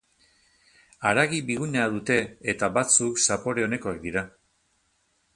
Haragi biguna dute eta batzuk zapore onekoak dira.